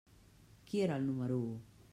Qui era el del número u?